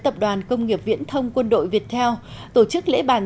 tập đoàn công nghiệp viễn thông quân đội viettel tổ chức lễ bàn